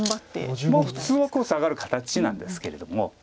普通はサガる形なんですけれども。